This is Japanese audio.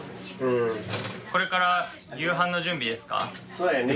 そうやね。